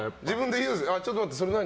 ちょっと待って、それ何？